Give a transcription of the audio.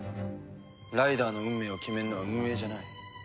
ライダーの運命を決めるのは運営じゃない。